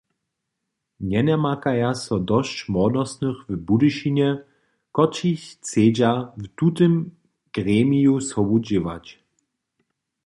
Njenamakaja so dosć młodostnych w Budyšinje, kotřiž chcedźa w tutym gremiju sobu dźěłać.